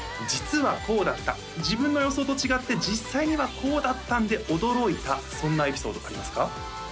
実はこうだった自分の予想と違って実際にはこうだったんで驚いたそんなエピソードありますか？